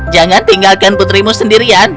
jangan tinggalkan putrimu sendirian